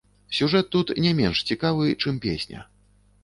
Сюжэт тут не менш цікавы, чым песня.